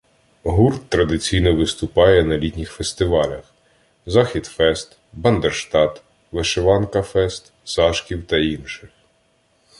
гурт традиційно виступає на літніх фестивалях — «Захід-фест», «Бандерштат», «Вишиванка-фест», «Зашків» та інших.